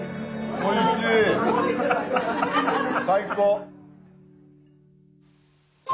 おいしい最高！